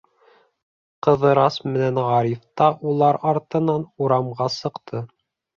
Ҡыҙырас менән Ғариф та улар артынан урамға сыҡты.